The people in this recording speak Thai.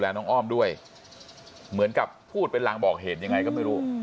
และน้องอ้อมด้วยเหมือนกับพูดเป็นรางบอกเหตุยังไงก็ไม่รู้